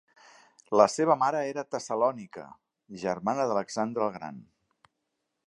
La seva mare era Tessalònica, germana d'Alexandre el Gran.